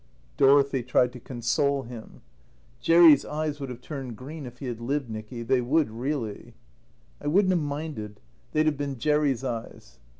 Dorothy tried to console him. "Jerry's eyes would have turned green, if he had lived, Nicky. They would, really." "I wouldn't have minded. They'd have been Jerry's eyes."